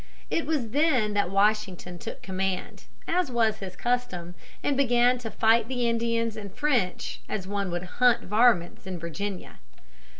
It was then that Washington took command, as was his custom, and began to fight the Indians and French as one would hunt varmints in Virginia.